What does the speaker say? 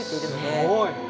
すごい。